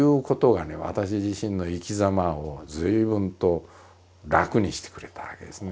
自分自身の生きざまを随分と楽にしてくれたわけですね。